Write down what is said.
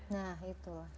nah itu lah